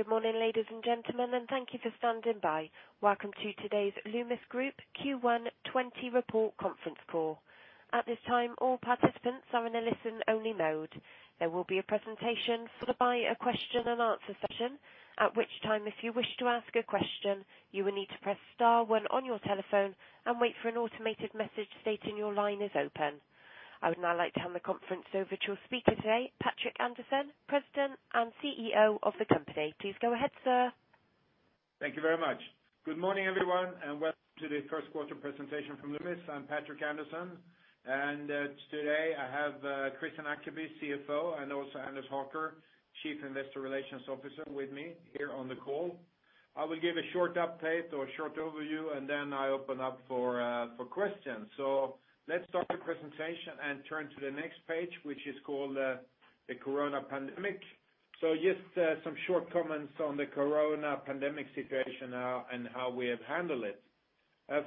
Good morning, ladies and gentlemen, and thank you for standing by. Welcome to today's Loomis AB Q1 2020 report conference call. At this time, all participants are in a listen-only mode. There will be a presentation followed by a question and answer session. At which time if you wish to ask a question, you will need to press star one on your telephone and wait for an automated message stating your line is open. I would now like to hand the conference over to your speaker today, Patrik Andersson, President and Chief Executive Officer of the company. Please go ahead, sir. Thank you very much. Good morning, everyone, and welcome to the first quarter presentation from Loomis AB. I'm Patrik Andersson, and today I have Kristian Ackeby, CFO, and also Anders Haker, Chief Investor Relations Officer, with me here on the call. I will give a short update or a short overview, and then I open up for questions. Let's start the presentation and turn to the next page, which is called the Corona pandemic. Just some short comments on the Corona pandemic situation now and how we have handled it.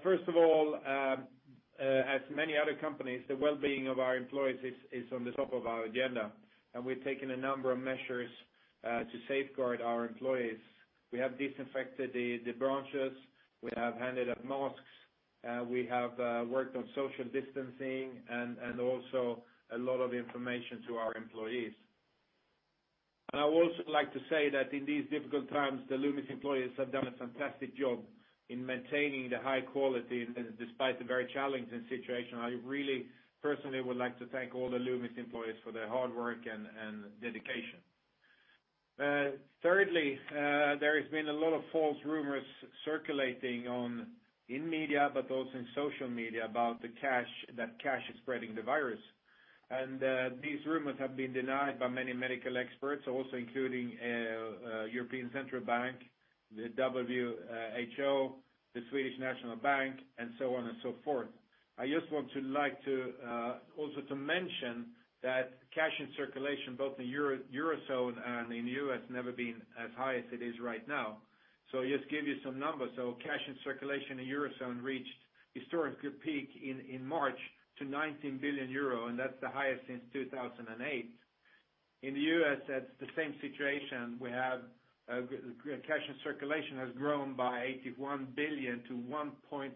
First of all, as many other companies, the well-being of our employees is on the top of our agenda, and we've taken a number of measures to safeguard our employees. We have disinfected the branches. We have handed out masks. We have worked on social distancing and also a lot of information to our employees. I would also like to say that in these difficult times, the Loomis AB employees have done a fantastic job in maintaining the high quality despite the very challenging situation. I really personally would like to thank all the Loomis AB employees for their hard work and dedication. Thirdly, there has been a lot of false rumors circulating in media, but also in social media, about that cash is spreading the virus. These rumors have been denied by many medical experts also including European Central Bank, the WHO, the Swedish National Bank, and so on and so forth. I just want to like also to mention that cash in circulation, both in Eurozone and in U.S. never been as high as it is right now. Just give you some numbers. Cash in circulation in Eurozone reached historic peak in March to 19 billion euro, and that's the highest since 2008. In the U.S., that's the same situation. We have cash in circulation has grown by $81 billion to $1.88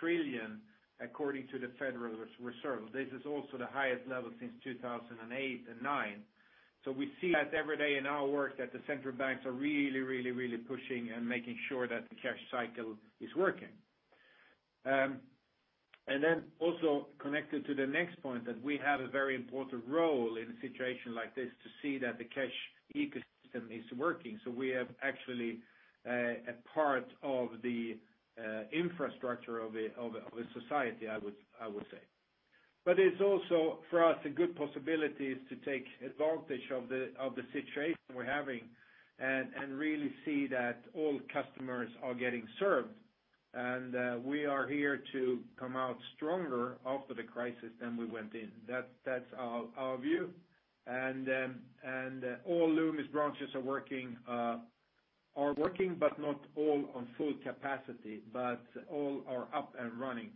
trillion, according to the Federal Reserve. This is also the highest level since 2008 and 2009. We see that every day in our work that the central banks are really pushing and making sure that the cash cycle is working. Also connected to the next point that we have a very important role in a situation like this to see that the cash ecosystem is working. We have actually a part of the infrastructure of a society, I would say. It's also for us a good possibility to take advantage of the situation we're having and really see that all customers are getting served. We are here to come out stronger after the crisis than we went in. That's our view. All Loomis AB branches are working but not all on full capacity, but all are up and running.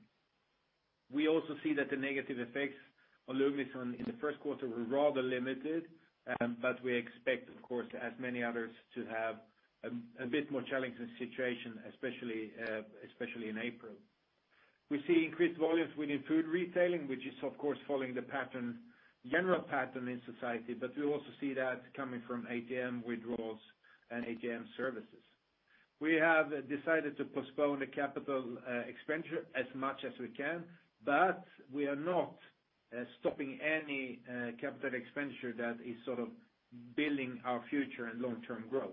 We also see that the negative effects on Loomis AB in the first quarter were rather limited, but we expect, of course, as many others to have a bit more challenging situation, especially in April. We see increased volumes within food retailing, which is of course following the general pattern in society. We also see that coming from ATM withdrawals and ATM services. We have decided to postpone the capital expenditure as much as we can, but we are not stopping any capital expenditure that is building our future and long-term growth.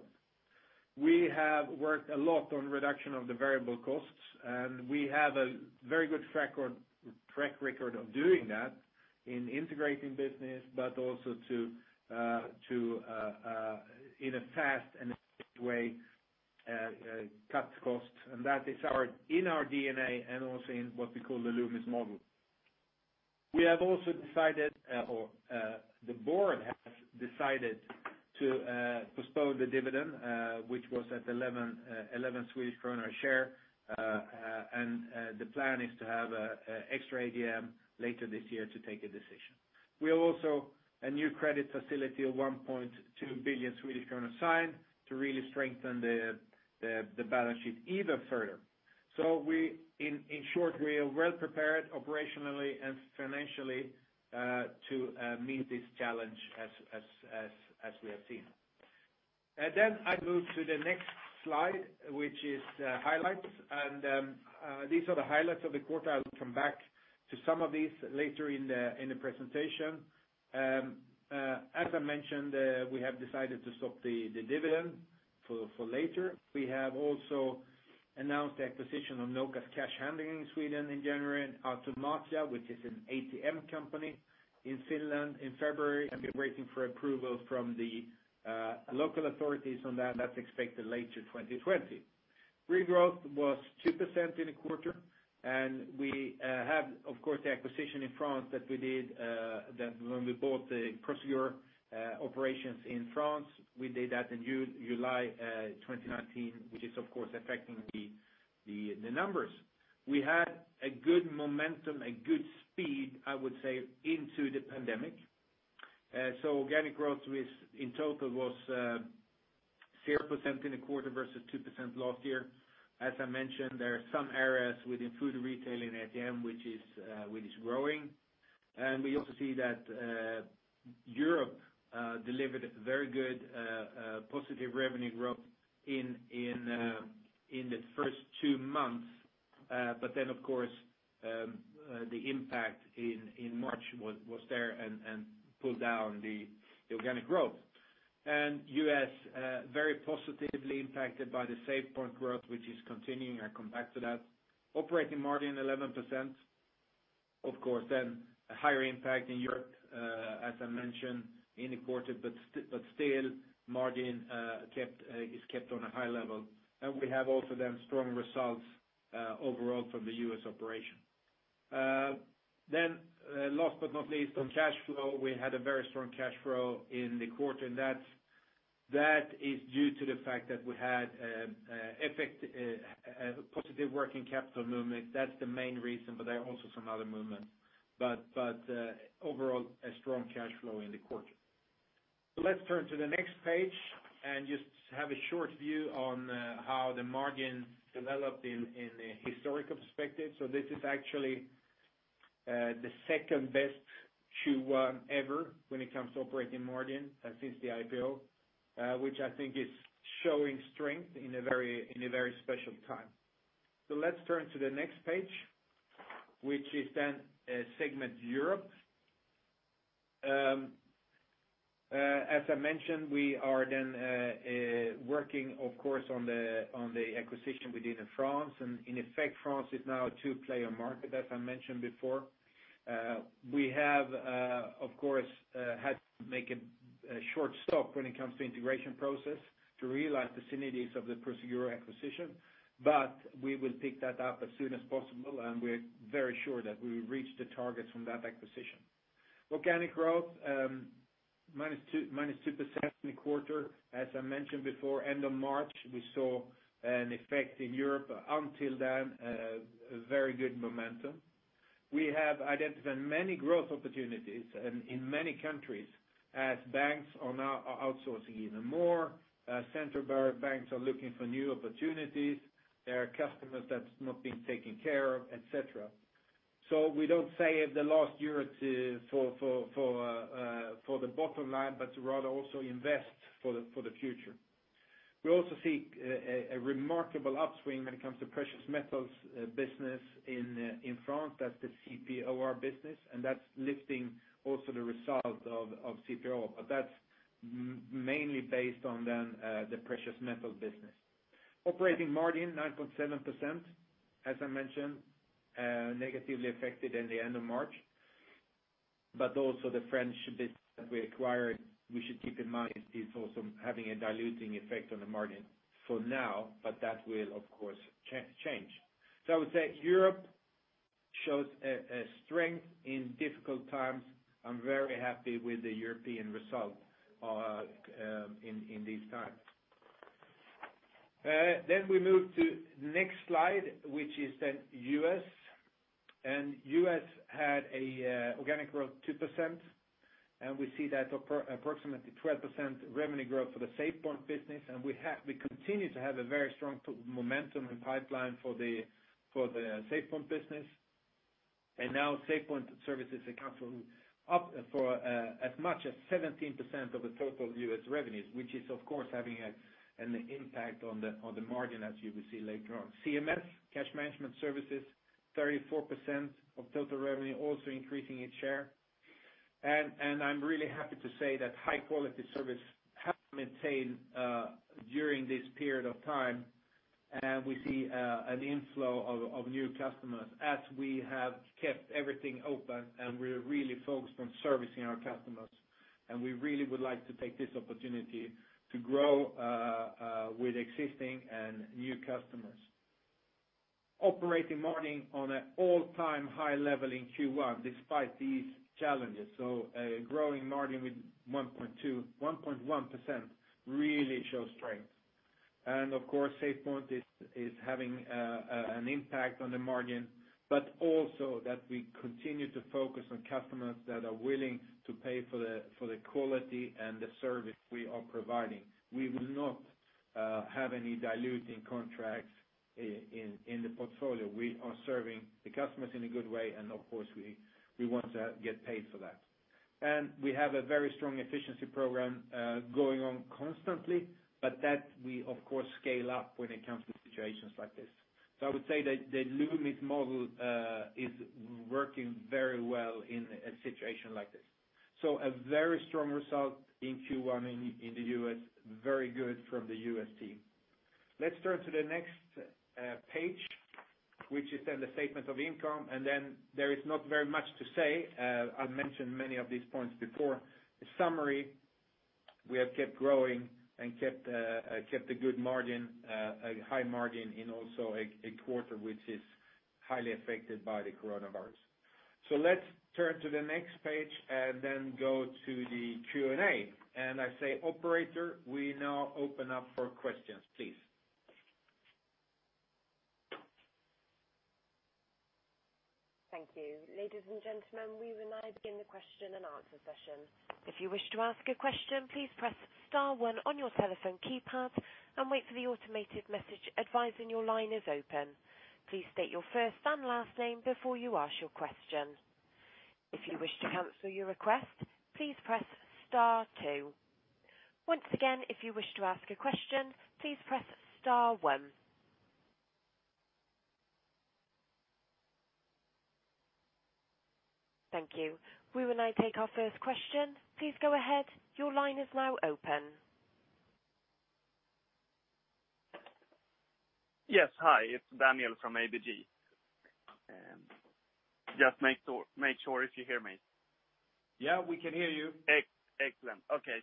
We have worked a lot on reduction of the variable costs, and we have a very good track record of doing that in integrating business, but also in a fast and effective way cut costs. That is in our DNA and also in what we call the Loomis AB model. We have also decided, or the board has decided to postpone the dividend which was at 11 Swedish kronor a share. The plan is to have extra AGM later this year to take a decision. We have also a new credit facility of 1.2 billion Swedish kronor signed to really strengthen the balance sheet even further. In short, we are well prepared operationally and financially to meet this challenge as we have seen. I move to the next slide, which is highlights. These are the highlights of the quarter. I'll come back to some of these later in the presentation. As I mentioned, we have decided to stop the dividend for later. We have also announced the acquisition of Nokas Cash Handling Sweden in January, and Automatia, which is an ATM company in Finland in February, and we're waiting for approval from the local authorities on that. That's expected later 2020. Regrowth was 2% in a quarter, and we have, of course, the acquisition in France that we did when we bought the Prosegur operations in France. We did that in July 2019, which is of course affecting the numbers. We had a good momentum, a good speed, I would say, into the pandemic. Organic growth rate in total was 0% in the quarter versus 2% last year. As I mentioned, there are some areas within food retailing ATM which is growing. We also see that Europe delivered a very good positive revenue growth in the first two months. Of course, the impact in March was there and pulled down the organic growth. U.S., very positively impacted by the SafePoint growth, which is continuing. I'll come back to that. Operating margin 11%. Of course, a higher impact in Europe, as I mentioned in the quarter. Still, margin is kept on a high level, and we have also then strong results overall from the U.S. operation. Last but not least, on cash flow, we had a very strong cash flow in the quarter, and that is due to the fact that we had a positive working capital movement. That's the main reason, but there are also some other movements. Overall, a strong cash flow in the quarter. Let's turn to the next page and just have a short view on how the margin developed in the historical perspective. This is actually the second best Q1 ever when it comes to operating margin since the IPO, which I think is showing strength in a very special time. Let's turn to the next page, which is then Segment Europe. As I mentioned, we are then working, of course, on the acquisition within France. In effect, France is now a two-player market, as I mentioned before. We have, of course, had to make a short stop when it comes to integration process to realize the synergies of the Prosegur acquisition, but we will pick that up as soon as possible and we're very sure that we will reach the targets from that acquisition. Organic growth, -2% in the quarter. As I mentioned before, end of March, we saw an effect in Europe. Until then, a very good momentum. We have identified many growth opportunities in many countries as banks are now outsourcing even more. Central banks are looking for new opportunities. There are customers that's not been taken care of, et cetera. We don't save the last Euro for the bottom line, rather also invest for the future. We also see a remarkable upswing when it comes to precious metals business in France. That's the CPoR business, that's lifting also the result of CPoR. That's mainly based on then the precious metal business. Operating margin 9.7%, as I mentioned, negatively affected in the end of March. Also the French business that we acquired, we should keep in mind, is also having a diluting effect on the margin for now, but that will, of course, change. I would say Europe shows a strength in difficult times. I'm very happy with the European result in these times. We move to next slide, which is U.S. U.S. had organic growth 2%, and we see that approximately 12% revenue growth for the SafePoint business. We continue to have a very strong momentum and pipeline for the SafePoint business. Now SafePoint services account for as much as 17% of the total US revenues, which is of course having an impact on the margin, as you will see later on. CMS, Cash Management Services, 34% of total revenue, also increasing its share. I'm really happy to say that high-quality service have maintained during this period of time, and we see an inflow of new customers as we have kept everything open, and we're really focused on servicing our customers. We really would like to take this opportunity to grow with existing and new customers. Operating margin on an all-time high level in Q1 despite these challenges. A growing margin with 1.1% really shows strength. Of course, SafePoint is having an impact on the margin, but also that we continue to focus on customers that are willing to pay for the quality and the service we are providing. We will not have any diluting contracts in the portfolio. We are serving the customers in a good way, and of course, we want to get paid for that. We have a very strong efficiency program going on constantly, but that we, of course, scale up when it comes to situations like this. I would say the Loomis model is working very well in a situation like this. A very strong result in Q1 in the U.S. Very good from the US team. Let's turn to the next page, which is then the statement of income. There is not very much to say. I've mentioned many of these points before. In summary, we have kept growing and kept a good margin, a high margin in also a quarter which is highly affected by the coronavirus. Let's turn to the next page and then go to the Q&A. I say, operator, we now open up for questions, please. Thank you. Ladies and gentlemen, we will now begin the question and answer session. If you wish to ask a question, please press star one on your telephone keypad and wait for the automated message advising your line is open. Please state your first and last name before you ask your question. If you wish to cancel your request, please press star two. Once again, if you wish to ask a question, please press star one. Thank you. We will now take our first question. Please go ahead. Your line is now open. Yes. Hi, it's Daniel from ABG. Just make sure if you hear me. Yeah, we can hear you. Excellent. Okay.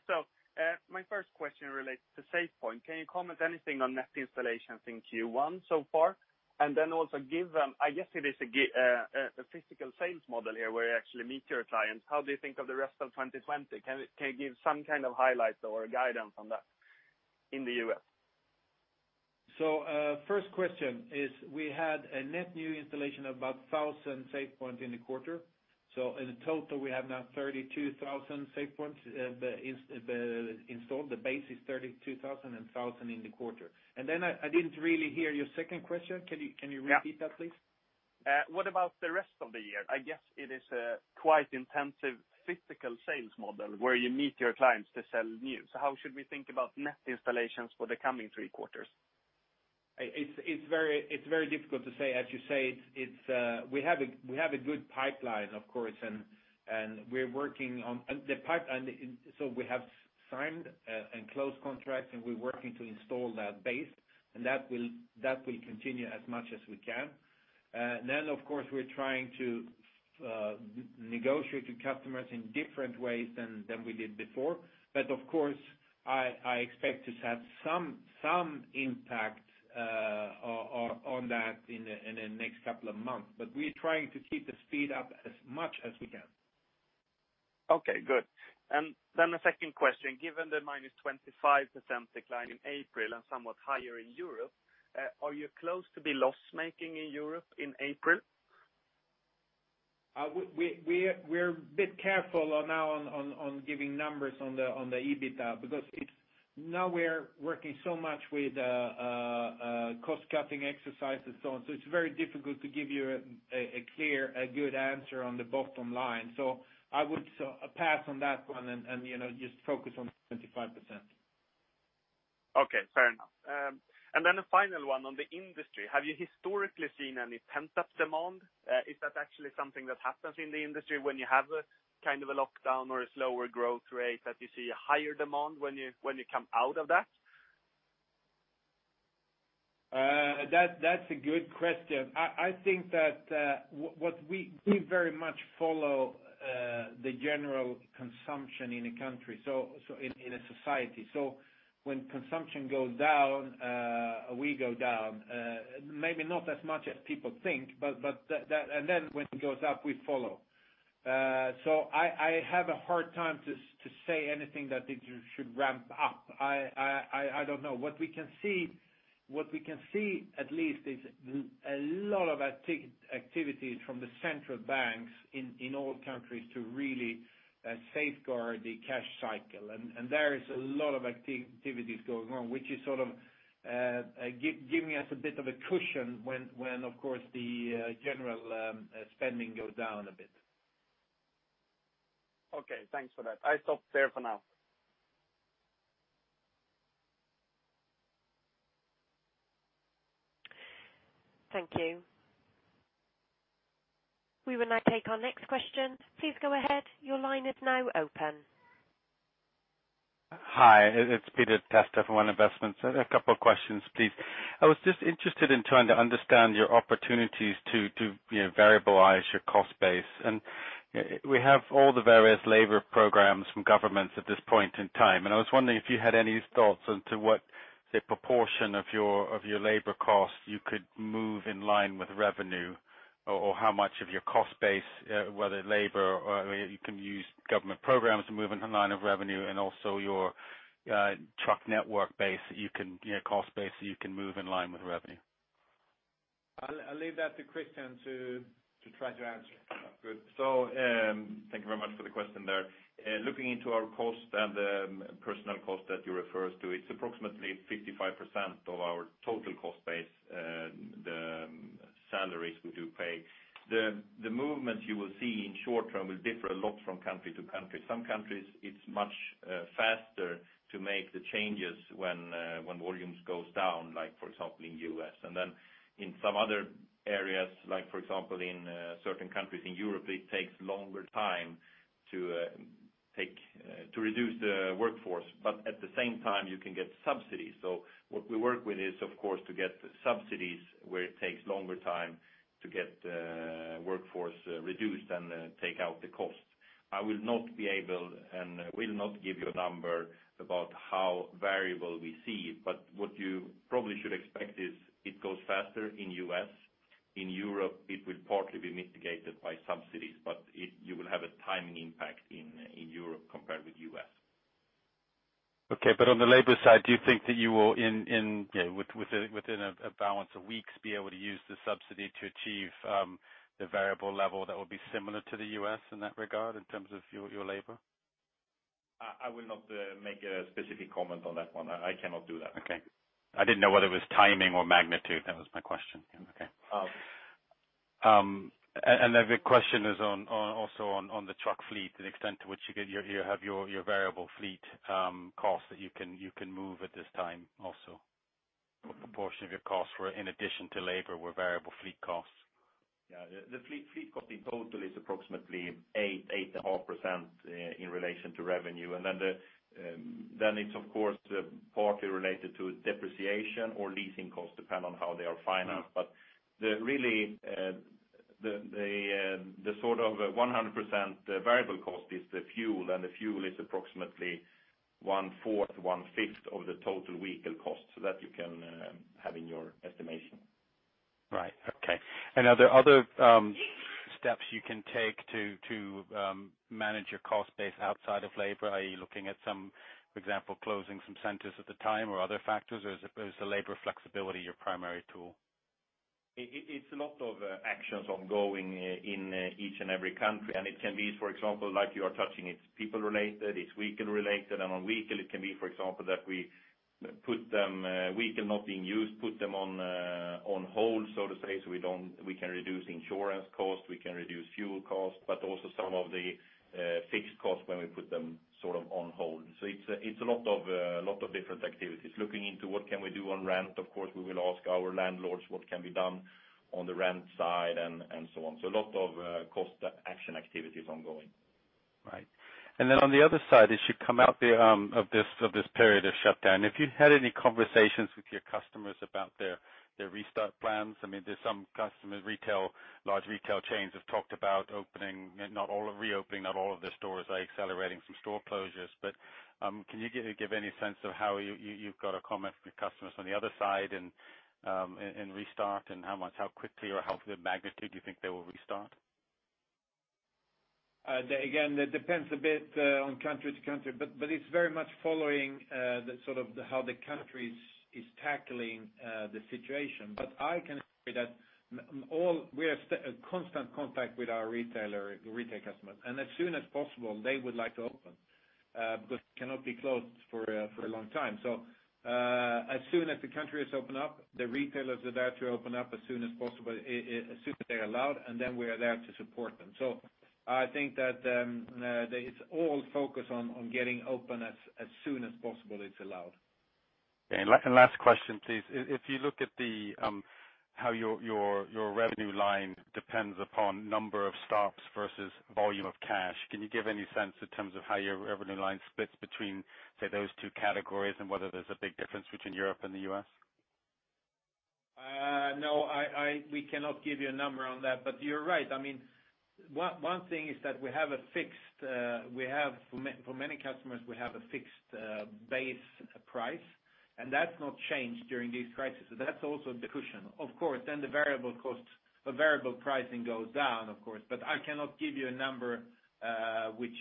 My first question relates to SafePoint. Can you comment anything on net installations in Q1 so far? Also give, I guess it is a physical sales model here where you actually meet your clients. How do you think of the rest of 2020? Can you give some kind of highlights or guidance on that in the U.S.? First question is we had a net new installation of about 1,000 SafePoint in the quarter. In total, we have now 32,000 SafePoints installed. The base is 32,000 and 1,000 in the quarter. I didn't really hear your second question. Can you repeat that, please? Yeah. What about the rest of the year? I guess it is a quite intensive physical sales model where you meet your clients to sell new. How should we think about net installations for the coming three quarters? It's very difficult to say. As you say, we have a good pipeline, of course, and so we have signed and closed contracts, and we're working to install that base, and that will continue as much as we can. Of course, we're trying to negotiate with customers in different ways than we did before. Of course, I expect to have some impact on that in the next couple of months. We're trying to keep the speed up as much as we can. Okay, good. The second question. Given the minus 25% decline in April and somewhat higher in Europe, are you close to be loss-making in Europe in April? We're a bit careful now on giving numbers on the EBITDA because now we're working so much with cost-cutting exercises and so on. It's very difficult to give you a clear, a good answer on the bottom line. I would pass on that one and just focus on the 25%. Okay, fair enough. A final one on the industry. Have you historically seen any pent-up demand? Is that actually something that happens in the industry when you have a kind of a lockdown or a slower growth rate, that you see a higher demand when you come out of that? That's a good question. I think that we very much follow the general consumption in a country, in a society. When consumption goes down, we go down. Maybe not as much as people think, when it goes up, we follow. I have a hard time to say anything that it should ramp up. I don't know. What we can see, at least, is a lot of activities from the central banks in all countries to really safeguard the cash cycle. There is a lot of activities going on, which is sort of giving us a bit of a cushion when, of course, the general spending goes down a bit. Okay, thanks for that. I stop there for now. Thank you. We will now take our next question. Please go ahead. Your line is now open. Hi, it's Peter Testa from One Investments. A couple of questions, please. I was just interested in trying to understand your opportunities to variabilize your cost base. We have all the various labor programs from governments at this point in time, and I was wondering if you had any thoughts as to what, say, proportion of your labor costs you could move in line with revenue? How much of your cost base, whether labor or you can use government programs to move in the line of revenue and also your truck network base cost base that you can move in line with revenue? I'll leave that to Kristian to try to answer. Good. Thank you very much for the question there. Looking into our cost and the personal cost that you refer to, it's approximately 55% of our total cost base, the salaries we do pay. The movement you will see in short term will differ a lot from country to country. Some countries, it's much faster to make the changes when volumes goes down, like for example, in U.S. In some other areas, like for example, in certain countries in Europe, it takes longer time to reduce the workforce. At the same time, you can get subsidies. What we work with is, of course, to get subsidies where it takes longer time to get workforce reduced and take out the cost. I will not be able, and will not give you a number about how variable we see it. What you probably should expect is it goes faster in U.S. In Europe, it will partly be mitigated by subsidies, but you will have a timing impact in Europe compared with U.S. Okay. On the labor side, do you think that you will, within a balance of weeks, be able to use the subsidy to achieve the variable level that will be similar to the U.S. in that regard, in terms of your labor? I will not make a specific comment on that one. I cannot do that. Okay. I didn't know whether it was timing or magnitude, that was my question. Okay. Oh. The question is also on the truck fleet, the extent to which you have your variable fleet costs that you can move at this time also. What proportion of your costs were, in addition to labor, variable fleet costs? Yeah. The fleet cost in total is approximately 8.5% in relation to revenue. It's of course, partly related to depreciation or leasing costs, depend on how they are financed. Yeah. Really, the sort of 100% variable cost is the fuel, and the fuel is approximately one-fourth, one-fifth of the total vehicle cost. That you can have in your estimation. Right. Okay. Are there other steps you can take to manage your cost base outside of labor, are you looking at for example, closing some centers at the time or other factors? Is the labor flexibility your primary tool? It's a lot of actions ongoing in each and every country, and it can be, for example, like you are touching, it's people-related, it's vehicle-related. On vehicle it can be, for example, that we put them, vehicle not being used, put them on hold, so to say, so we can reduce insurance cost, we can reduce fuel cost, but also some of the fixed cost when we put them sort of on hold. It's a lot of different activities. Looking into what can we do on rent, of course, we will ask our landlords what can be done on the rent side and so on. A lot of cost action activities ongoing. Right. On the other side, as you come out of this period of shutdown, have you had any conversations with your customers about their restart plans? There's some large retail chains have talked about reopening not all of their stores, like accelerating some store closures. Can you give any sense of how you've got a comment from your customers on the other side and restart and how much, how quickly or how the magnitude you think they will restart? That depends a bit on country to country, but it's very much following how the country is tackling the situation. I can say that we are constant contact with our retail customer, and as soon as possible, they would like to open. They cannot be closed for a long time. As soon as the countries open up, the retailers are there to open up as soon as possible, as soon as they are allowed, and then we are there to support them. I think that it's all focused on getting open as soon as possible it's allowed. Okay. Last question, please. If you look at how your revenue line depends upon number of stops versus volume of cash, can you give any sense in terms of how your revenue line splits between, say, those two categories and whether there's a big difference between Europe and the U.S.? We cannot give you a number on that. You're right. One thing is that for many customers, we have a fixed base price, and that's not changed during this crisis. That's also the cushion. Of course, then the variable pricing goes down, of course. I cannot give you a number which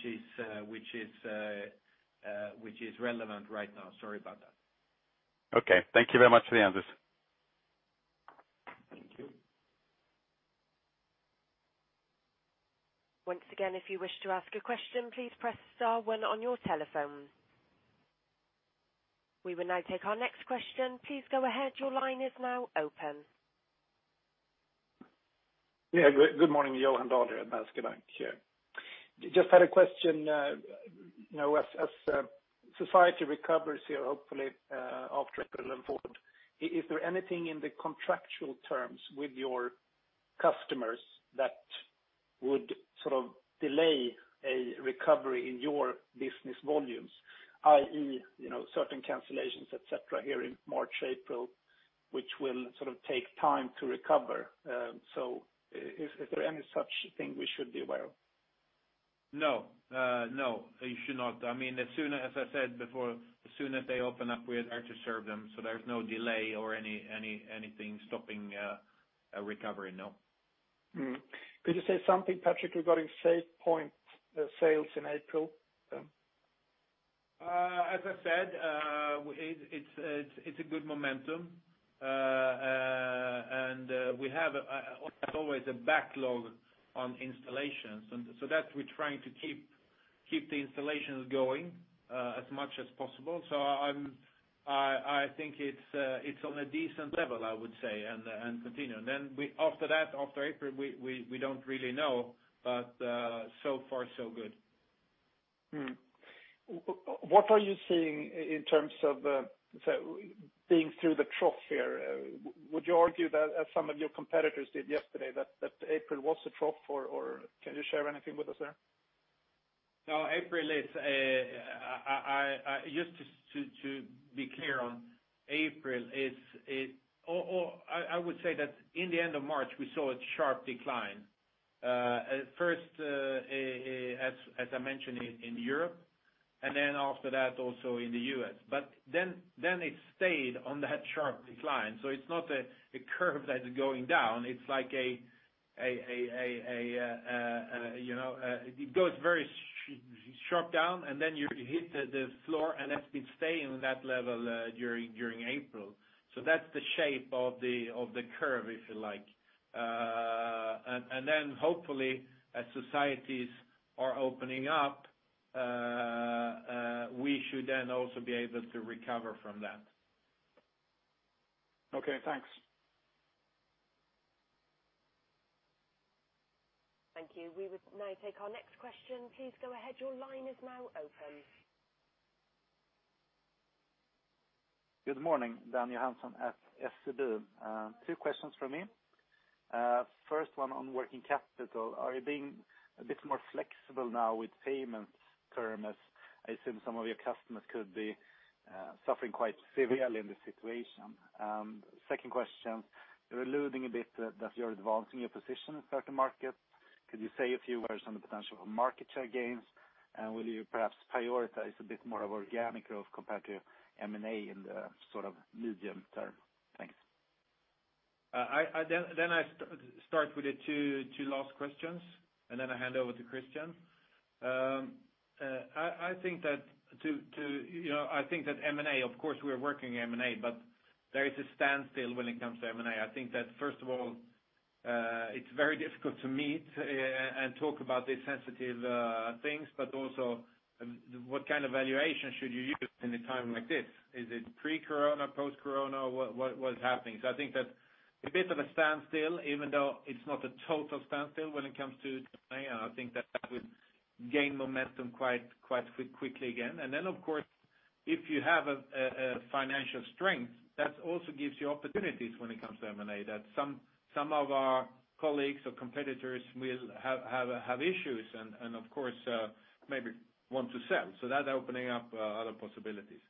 is relevant right now. Sorry about that. Okay. Thank you very much for the answers. Thank you. Once again, if you wish to ask a question, please press star one on your telephone. We will now take our next question. Please go ahead. Your line is now open. Good morning, Johan Dahl at Danske Bank here. Just had a question. As society recovers here, hopefully after April and forward, is there anything in the contractual terms with your customers that would delay a recovery in your business volumes, i.e., certain cancellations, et cetera, here in March, April, which will take time to recover? Is there any such thing we should be aware of? No. You should not. As I said before, as soon as they open up, we are there to serve them. There's no delay or anything stopping a recovery, no. Could you say something, Patrik, regarding SafePoint sales in April? As I said, it's a good momentum. We have always a backlog on installations. That we're trying to keep the installations going, as much as possible. I think it's on a decent level, I would say, and continuing. After that, after April, we don't really know, but so far so good. What are you seeing in terms of being through the trough here? Would you argue that some of your competitors did yesterday that April was a trough, or can you share anything with us there? No. Just to be clear on. I would say that in the end of March, we saw a sharp decline. At first, as I mentioned, in Europe, and then after that, also in the U.S. It stayed on that sharp decline. It's not a curve that is going down, it goes very sharp down, and then you hit the floor, and that's been staying on that level during April. That's the shape of the curve, if you like. Hopefully, as societies are opening up, we should then also be able to recover from that. Okay, thanks. Thank you. We will now take our next question. Please go ahead. Your line is now open. Good morning. Dan Johansson at SEB. Two questions from me. First one on working capital. Are you being a bit more flexible now with payment terms, as in some of your customers could be suffering quite severely in this situation? Second question, you're alluding a bit that you're advancing your position in certain markets. Could you say a few words on the potential of market share gains? Will you perhaps prioritize a bit more of organic growth compared to M&A in the medium term? Thanks. I start with the two last questions, and then I hand over to Kristian. I think that M&A, of course, we are working M&A, but there is a standstill when it comes to M&A. I think that first of all, it's very difficult to meet and talk about these sensitive things, but also, what kind of valuation should you use in a time like this? Is it pre-Corona, post-Corona? What is happening? I think that a bit of a standstill, even though it's not a total standstill when it comes to M&A, I think that would gain momentum quite quickly again. Of course, if you have a financial strength, that also gives you opportunities when it comes to M&A, that some of our colleagues or competitors will have issues, and of course, maybe want to sell, opening up other possibilities.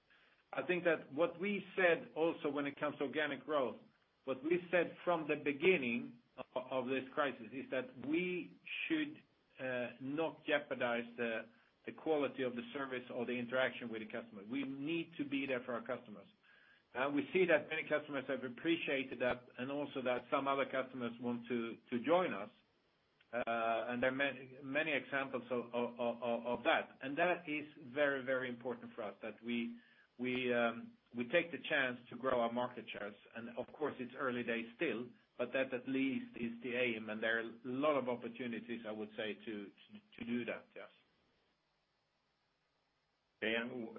I think that what we said also when it comes to organic growth, what we said from the beginning of this crisis is that we should not jeopardize the quality of the service or the interaction with the customer. We need to be there for our customers. We see that many customers have appreciated that, and also that some other customers want to join us, and there are many examples of that. That is very important for us, that we take the chance to grow our market shares. Of course, it's early days still, but that at least is the aim. There are a lot of opportunities, I would say, to do that, yes.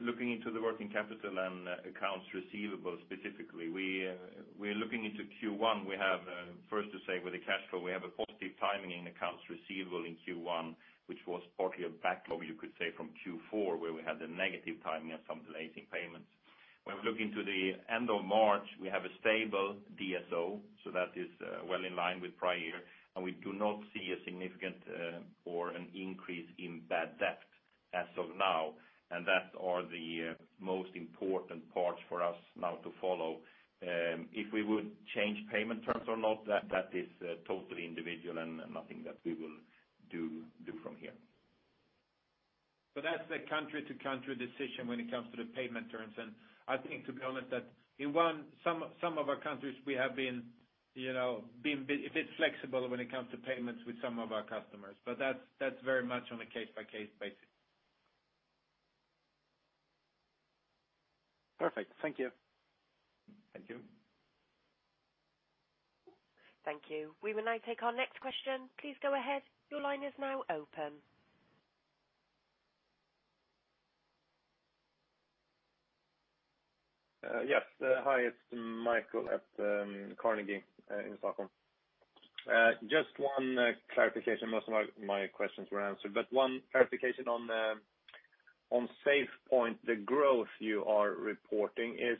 Looking into the working capital and accounts receivable specifically, we're looking into Q1. We have first to say with the cash flow, we have a positive timing in accounts receivable in Q1, which was partly a backlog, you could say, from Q4, where we had the negative timing of some delays in payments. We look into the end of March, we have a stable DSO, so that is well in line with prior, and we do not see a significant or an increase in bad debt as of now, and that are the most important parts for us now to follow. If we would change payment terms or not, that is totally individual and nothing that we will do from here. That's a country-to-country decision when it comes to the payment terms. I think, to be honest, that in some of our countries, we have been a bit flexible when it comes to payments with some of our customers, but that's very much on a case-by-case basis. Perfect. Thank you. Thank you. Thank you. We will now take our next question. Please go ahead. Your line is now open. Yes. Hi, it's Mikael at Carnegie in Stockholm. Just one clarification. Most of my questions were answered, but one clarification on SafePoint, the growth you are reporting, is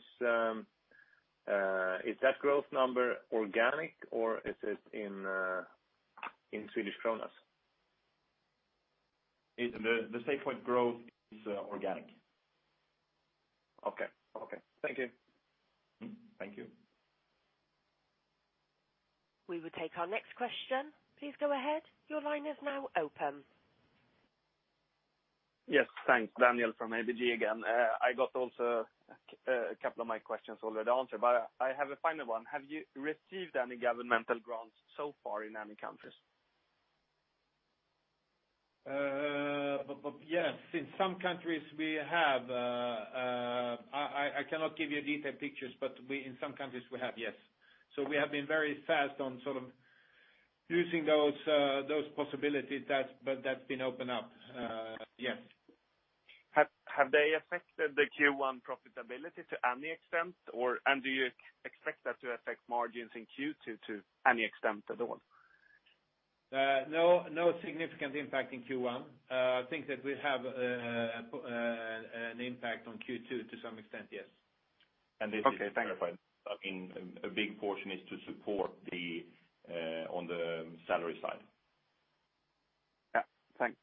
that growth number organic or is it in Swedish Kronor? The SafePoint growth is organic. Okay. Thank you. Thank you. We will take our next question. Please go ahead. Your line is now open. Yes. Thanks. Daniel from ABG again. I got also a couple of my questions already answered. I have a final one. Have you received any governmental grants so far in any countries? Yes. In some countries we have. I cannot give you detailed pictures, but in some countries we have, yes. We have been very fast on using those possibilities, but that's been open up. Yes. Have they affected the Q1 profitability to any extent, or/and do you expect that to affect margins in Q2 to any extent at all? No significant impact in Q1. I think that will have an impact on Q2 to some extent, yes. Okay. Thank you. This is clarified. I mean, a big portion is to support on the salary side. Thanks.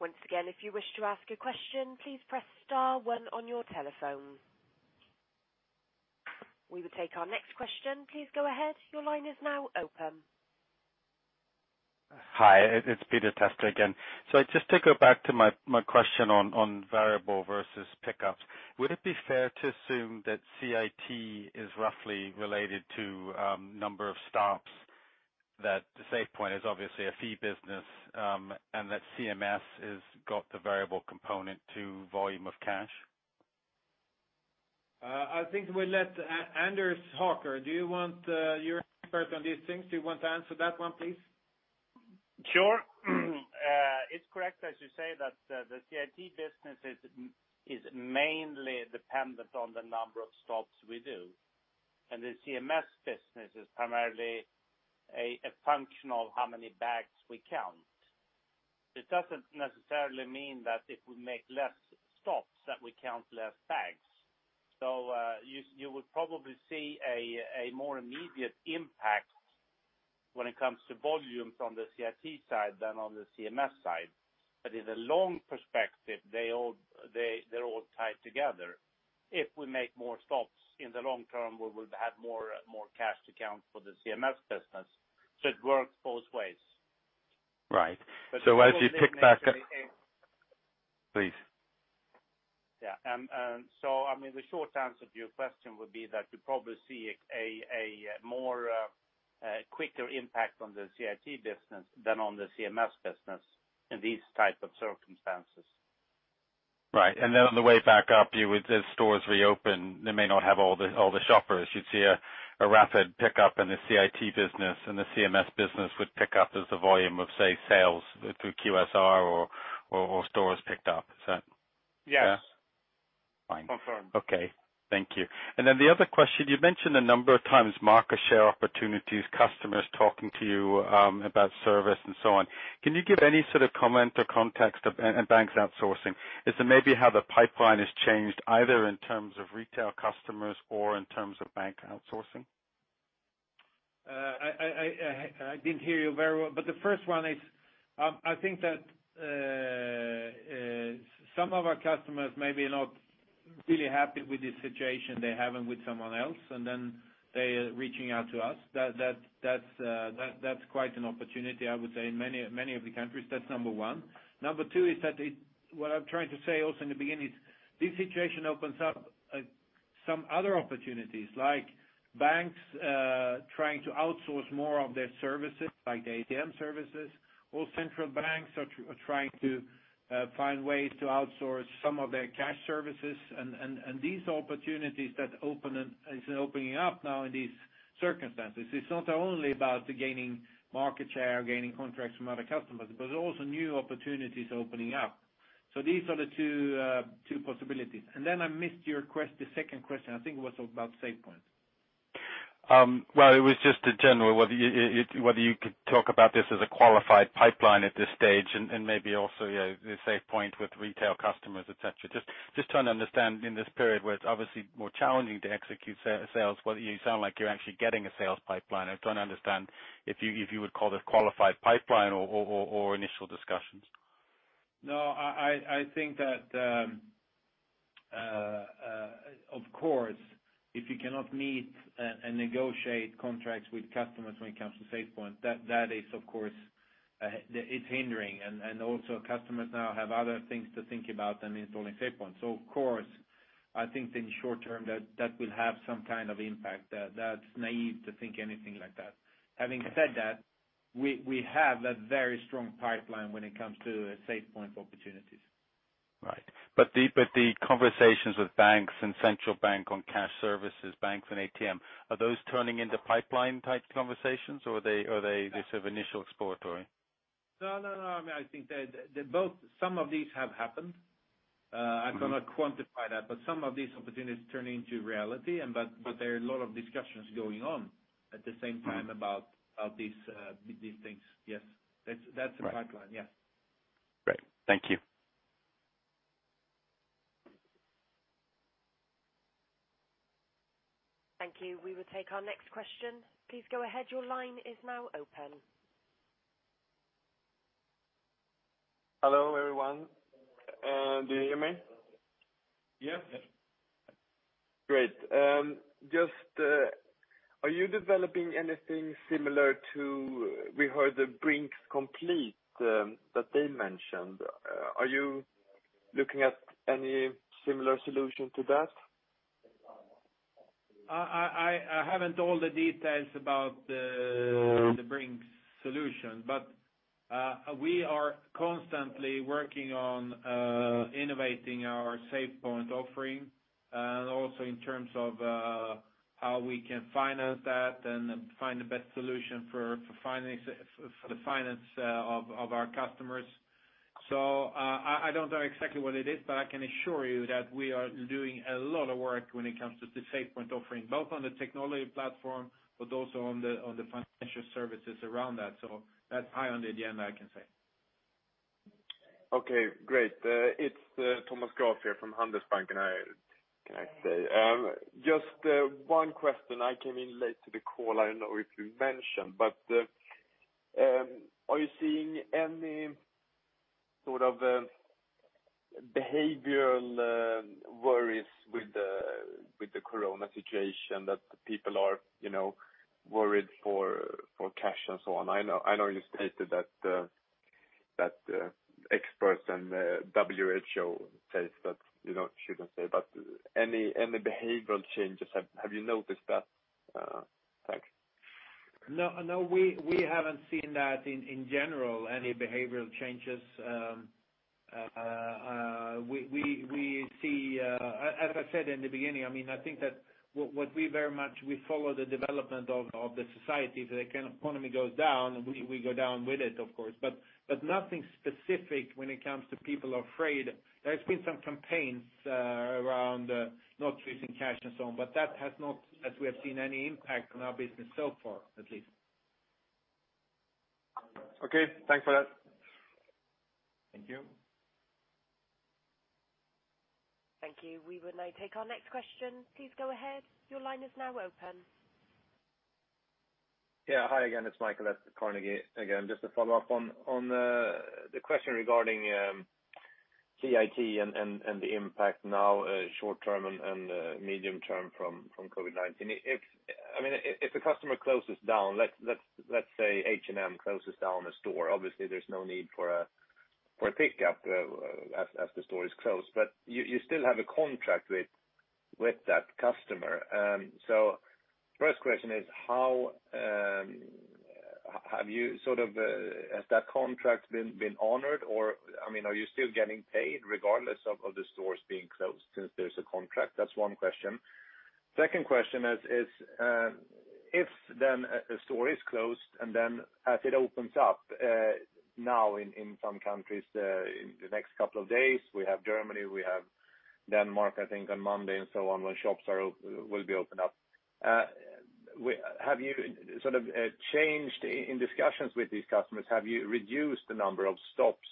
Once again, if you wish to ask a question, please press star one on your telephone. We will take our next question. Please go ahead. Your line is now open. Hi, it's Peter Testa again. Just to go back to my question on variable versus pickups, would it be fair to assume that CIT is roughly related to number of stops, that the SafePoint is obviously a fee business, and that CMS has got the variable component to volume of cash? I think we'll let Anders talk. You're an expert on these things. Do you want to answer that one, please? Sure. It's correct, as you say, that the CIT business is mainly dependent on the number of stops we do, and the CMS business is primarily a function of how many bags we count. It doesn't necessarily mean that if we make less stops, that we count less bags. You would probably see a more immediate impact when it comes to volume from the CIT side than on the CMS side. In the long perspective, they're all tied together. If we make more stops, in the long term, we will have more cash to count for the CMS business. It works both ways. Right. As you pick back up, please. The short answer to your question would be that you probably see a more quicker impact on the CIT business than on the CMS business in these type of circumstances. Right. On the way back up, as stores reopen, they may not have all the shoppers. You'd see a rapid pickup in the CIT business, and the CMS business would pick up as the volume of, say, sales through QSR or stores picked up. Is that fair? Yes. Fine. Confirmed. Okay. Thank you. The other question, you mentioned a number of times market share opportunities, customers talking to you about service and so on. Can you give any sort of comment or context, and banks outsourcing? Is it maybe how the pipeline has changed, either in terms of retail customers or in terms of bank outsourcing? I didn't hear you very well. The first one is, I think that some of our customers may be not really happy with the situation they're having with someone else, and then they are reaching out to us. That's quite an opportunity, I would say, in many of the countries. That's number one. Number two is that what I'm trying to say also in the beginning is this situation opens up some other opportunities, like banks trying to outsource more of their services, like the ATM services, or central banks are trying to find ways to outsource some of their cash services. These opportunities that is opening up now in these circumstances. It's not only about gaining market share, gaining contracts from other customers, also new opportunities opening up. These are the two possibilities. Then I missed the second question. I think it was about SafePoint. Well, it was just a general, whether you could talk about this as a qualified pipeline at this stage and maybe also, yeah, the SafePoint with retail customers, et cetera. Just trying to understand in this period where it's obviously more challenging to execute sales, whether you sound like you're actually getting a sales pipeline. I'm trying to understand if you would call this qualified pipeline or initial discussions. I think that, of course, if you cannot meet and negotiate contracts with customers when it comes to SafePoint, that is, of course, it's hindering. Also, customers now have other things to think about than installing SafePoint. Of course, I think in the short term, that will have some kind of impact. That's naive to think anything like that. Having said that, we have a very strong pipeline when it comes to SafePoint opportunities. Right. The conversations with banks and central bank on cash services, banks and ATM, are those turning into pipeline type conversations or are they sort of initial exploratory? No, no. I think some of these have happened. I cannot quantify that, but some of these opportunities turn into reality. There are a lot of discussions going on at the same time about these things. Yes. That's the pipeline. Yes. Great. Thank you. Thank you. We will take our next question. Please go ahead. Your line is now open. Hello, everyone. Can you hear me? Yes. Great. Are you developing anything similar to, we heard the Brink's Complete that they mentioned? Are you looking at any similar solution to that? I haven't all the details about the Brink's solution, but we are constantly working on innovating our SafePoint offering, and also in terms of how we can finance that and find the best solution for the finance of our customers. I don't know exactly what it is, but I can assure you that we are doing a lot of work when it comes to the SafePoint offering, both on the technology platform, but also on the financial services around that. That's high on the agenda, I can say. Okay, great. It's Thomas Graf here from Handelsbanken. Can I say just one question? I came in late to the call. I don't know if you mentioned, but are you seeing any sort of behavioral worries with the Corona situation that the people are worried for cash and so on? I know you stated that experts and WHO says that you shouldn't say, but any behavioral changes, have you noticed that? Thanks. We haven't seen that in general, any behavioral changes. As I said in the beginning, I think that what we very much follow the development of the society. The economy goes down, we go down with it, of course. Nothing specific when it comes to people are afraid. There's been some campaigns around not using cash and so on, but that has not, as we have seen, any impact on our business so far, at least. Okay. Thanks for that. Thank you. Thank you. We will now take our next question. Please go ahead. Your line is now open. Yeah. Hi again, it's Mikael at Carnegie. Again, just to follow up on the question regarding CIT and the impact now short-term and medium-term from COVID-19. If the customer closes down, let's say H&M closes down a store. Obviously, there's no need for a pickup as the store is closed, but you still have a contract with that customer. First question is, has that contract been honored or are you still getting paid regardless of the stores being closed since there's a contract? That's one question. Second question is if then a store is closed as it opens up now in some countries in the next couple of days, we have Germany, we have Denmark, I think on Monday and so on, when shops will be opened up. Have you sort of changed in discussions with these customers? Have you reduced the number of stops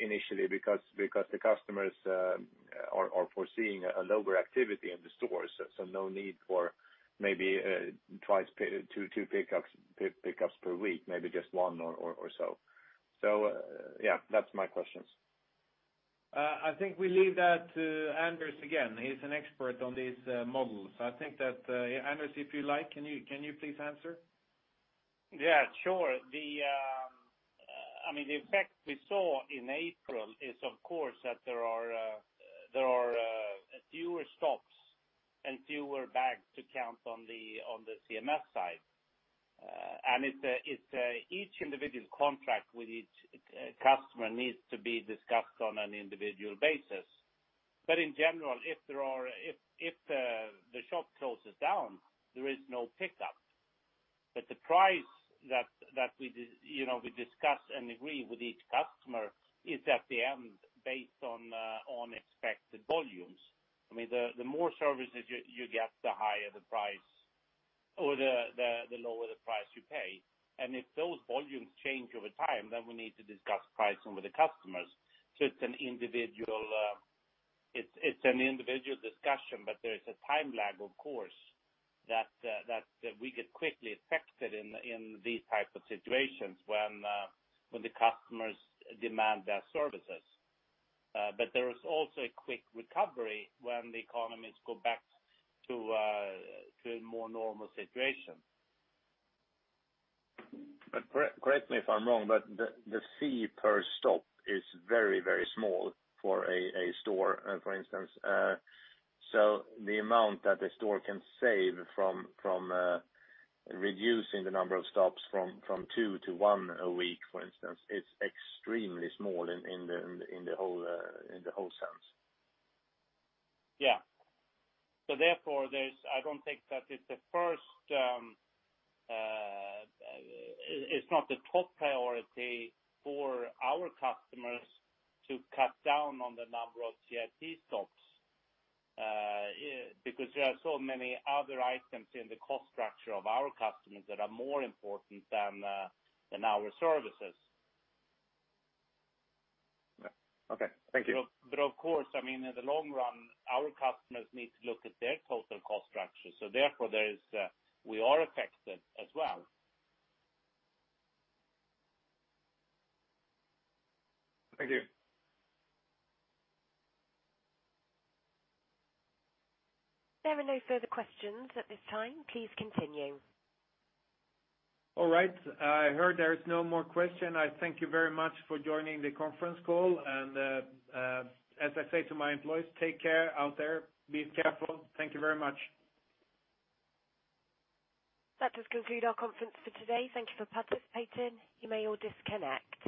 initially because the customers are foreseeing a lower activity in the stores, so no need for maybe two pickups per week, maybe just one or so? Yeah, that's my questions. I think we leave that to Anders again. He's an expert on these models. I think that, Anders, if you like, can you please answer? Yeah, sure. The effect we saw in April is, of course, that there are fewer stops and fewer bags to count on the CMS side. Each individual contract with each customer needs to be discussed on an individual basis. In general, if the shop closes down, there is no pickup. The price that we discuss and agree with each customer is at the end based on expected volumes. The more services you get, the lower the price you pay. If those volumes change over time, then we need to discuss pricing with the customers. It's an individual discussion, but there is a time lag, of course, that we get quickly affected in these type of situations when the customers demand their services. There is also a quick recovery when the economies go back to a more normal situation. Correct me if I'm wrong, but the fee per stop is very, very small for a store, for instance. The amount that the store can save from reducing the number of stops from two to one a week, for instance, is extremely small in the whole sense. Yeah. Therefore, I don't think that it's not the top priority for our customers to cut down on the number of CIT stops, because there are so many other items in the cost structure of our customers that are more important than our services. Okay. Thank you. Of course, in the long run, our customers need to look at their total cost structure. Therefore, we are affected as well. Thank you. There are no further questions at this time. Please continue. All right. I heard there is no more question. I thank you very much for joining the conference call, and as I say to my employees, take care out there. Be careful. Thank you very much. That does conclude our conference for today. Thank you for participating. You may all disconnect.